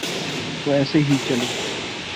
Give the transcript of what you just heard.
سو ایسے ہی چلے۔